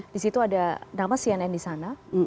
di situ ada nama cnn di sana